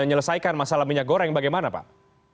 menyelesaikan masalah minyak goreng bagaimana pak